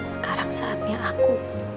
sekarang saatnya aku